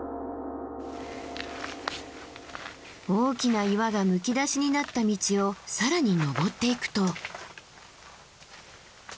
大きな岩がむき出しになった道を更に登っていくと。